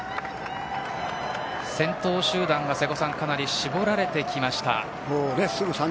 先頭集団はかなり絞られてきました。